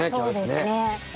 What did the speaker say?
そうですね。